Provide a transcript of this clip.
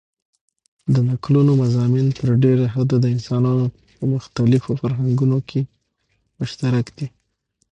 د نکلونو مضامن تر ډېره حده دانسانانو په مختلیفو فرهنګونو کښي مشترک دي.